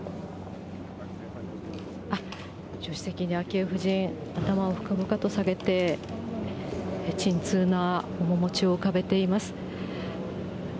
あっ、助手席に昭恵夫人、頭を深々と下げて、沈痛な面持ちを浮かべています。